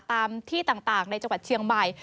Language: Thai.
ตามที่ต่างในจังหวัดเชียงใหม่